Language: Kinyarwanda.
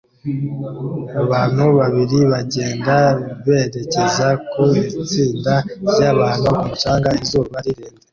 Abantu babiri bagenda berekeza ku itsinda ryabantu ku mucanga izuba rirenze